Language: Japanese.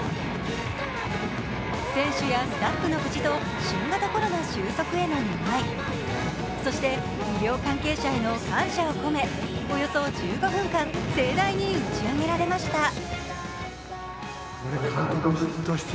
選手やスタッフの無事と新型コロナ終息への願いそして医療関係者への感謝を込めおよそ１５分間盛大に打ち上げられました。